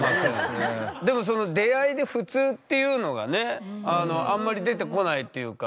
でもその出会いで「普通」っていうのがねあんまり出てこないっていうか。